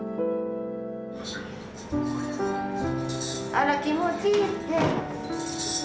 あら気持ちいいって。